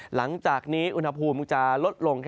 หลังจากนี้อุณหภูมิจะลดลง